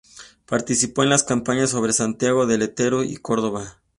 Participó en las campañas sobre Santiago del Estero y Córdoba.